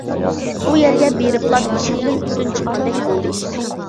ئۇ يەرگە بېرىپلا بېشىمدىن تۈتۈن چىققاندەك بولدى.